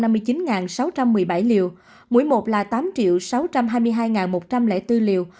mũi một là tám sáu trăm hai mươi hai một trăm linh bốn liều